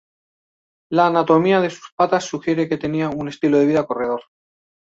La anatomía de sus patas sugiere que tenía un estilo de vida corredor.